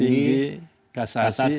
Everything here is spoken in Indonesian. tingkat negeri kasasi